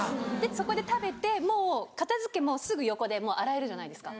そこで食べてもう片付けもすぐ横で洗えるじゃないですか。